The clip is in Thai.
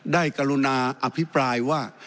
ได้กลุ่นาอภิปรายว่า